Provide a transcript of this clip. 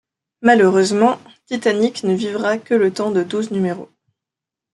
Malheureusement, Titanic ne vivra que le temps de douze numéros.